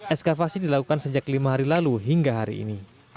eskavasi dilakukan sejak lima hari lalu hingga hari ini